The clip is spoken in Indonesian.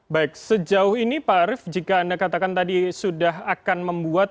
baik sejauh ini pak arief jika anda katakan tadi sudah akan membuat